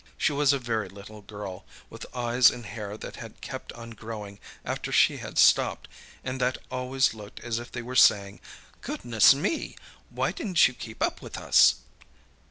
She was a very little girl, with eyes and hair that had kept on growing after she had stopped and that always looked as if they were saying: "Goodness me! Why didn't you keep up with us?"